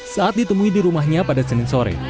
saat ditemui di rumahnya pada senin sore